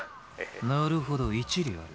なるほど一理ある。